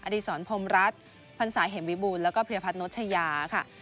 อดีตศรพลมรัฐพรรษาเห็มวิบูทและเพียพัชนท์โนชยาค่ะ